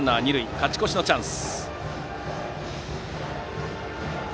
勝ち越しのチャンス。